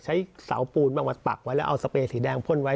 ใช้เสาปูนบ้างมาปักไว้แล้วเอาสเปรสีแดงพ่นไว้